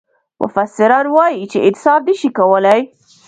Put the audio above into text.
مفسران وايي چې انسان نه شي کولای.